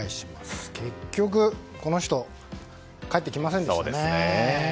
結局、この人帰ってきませんでしたね。